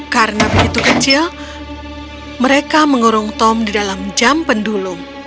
karena begitu kecil mereka mengurung tom di dalam jam pendulum